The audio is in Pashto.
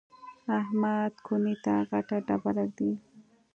احمد کونې ته غټه ډبره ږدي.